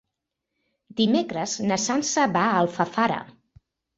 Dimecres na Sança va a Alfafara.